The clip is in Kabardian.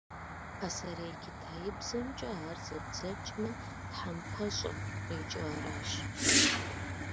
Пасэрей китаибзэмкӏэ ар зэбдзэкӏмэ, «тхьэмпэщӏэ» къикӏыу аращ.